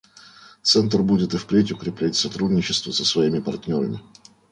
Центр будет и впредь укреплять сотрудничество со своими партнерами.